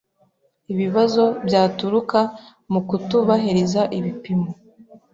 Ibibazo byaturuka mu kutubahiriza ibipimo